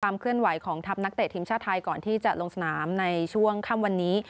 เคลื่อนไหวของทัพนักเตะทีมชาติไทยก่อนที่จะลงสนามในช่วงค่ำวันนี้